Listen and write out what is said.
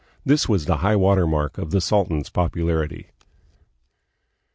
This was the high water mark of the sultan's popularity.